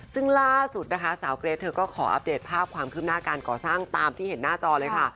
ซึ่งล่าสุดนะคะสาวเกรทเธอก็ขออัปเดตภาพความคืบหน้าการก่อสร้างตามที่เห็นหน้าจอเลยค่ะ